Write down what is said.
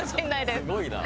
すごいな。